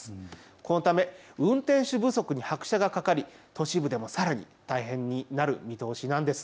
このため運転手不足に拍車がかかり都市部でもさらに大変になる見通しなんです。